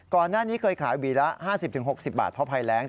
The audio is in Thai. ก่อนหน้านี้เคยขายหวีละ๕๐๖๐บาทเพราะภัยแรง